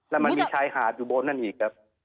แล้วมันมีชายหาดอยู่บนนั้นอีกครับ